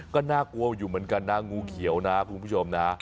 ก็น่ากลัวอยู่เหมือนกันนะงูเขียวนะคุณผู้ชมนะ